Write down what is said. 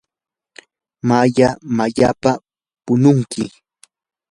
maya mayalla pununki.